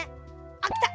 あっきた！